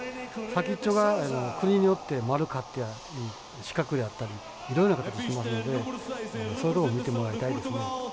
先っちょが国によって丸かったり四角であったりいろいろな形してますのでそういうところを見てもらいたいですね。